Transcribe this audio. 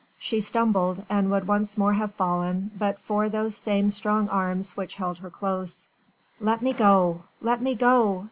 She stumbled and would once more have fallen, but for those same strong arms which held her close. "Let me go! Let me go!"